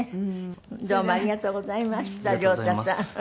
どうもありがとうございました良太さん。